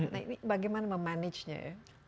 nah ini bagaimana memanagenya ya